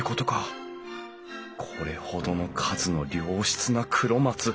これほどの数の良質な黒松